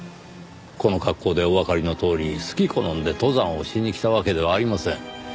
この格好でおわかりのとおり好き好んで登山をしに来たわけではありません。